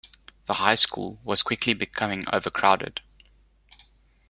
The Highschool was quickly becoming overcrowded.